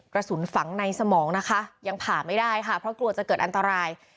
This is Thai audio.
กระสุนฝังในสมองนะคะยังผ่าไม่ได้ค่ะเพราะกลัวจะเกิดอันตราย